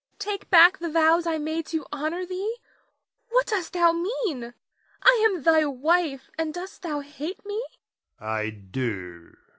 Take back the vows I made to honor thee; what dost thou mean? I am thy wife and dost thou hate me?